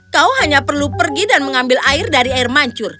kau hanya perlu pergi dan mengambil air dari air mancur